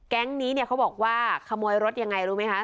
แก๊งนี้เนี่ยเขาบอกว่าขโมยรถยังไงรู้ไหมคะ